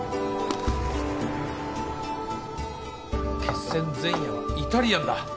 決戦前夜はイタリアンだ。